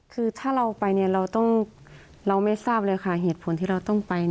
คือถ้าเราไปเราไม่ทราบเลยค่ะเหตุผลที่เราต้องไป